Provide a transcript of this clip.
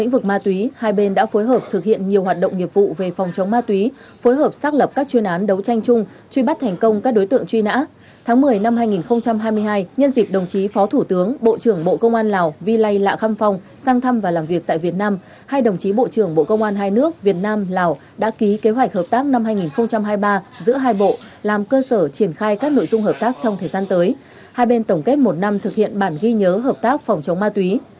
và phối hợp xác lập các chuyên án đấu tranh chung truy bắt thành công các đối tượng truy nã tháng một mươi năm hai nghìn hai mươi hai nhân dịp đồng chí phó thủ tướng bộ trưởng bộ công an lào vi lây lạ khăm phong sang thăm và làm việc tại việt nam hai đồng chí bộ trưởng bộ công an hai nước việt nam lào đã ký kế hoạch hợp tác năm hai nghìn hai mươi ba giữa hai bộ làm cơ sở triển khai các nội dung hợp tác trong thời gian tới hai bên tổng kết một năm thực hiện bản ghi nhớ hợp tác phòng chống ma túy